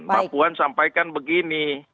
mbak puan sampaikan begini